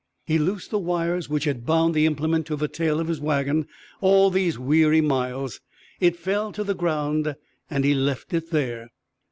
He loosed the wires which had bound the implement to the tail of his wagon all these weary miles. It fell to the ground and he left it there.